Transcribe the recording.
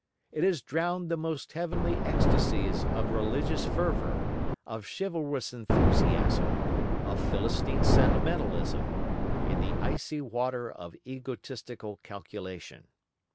It has drowned the most heavenly ecstasies of religious fervour, of chivalrous enthusiasm, of philistine sentimentalism, in the icy water of egotistical calculation.